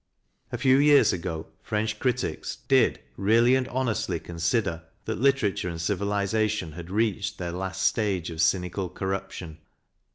A few years ago French critics did really and honestly consider that literature and civilization had reached their last stage of cynical corruption.